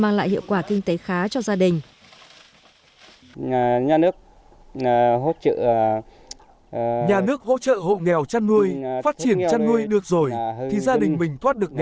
giá cho gia đình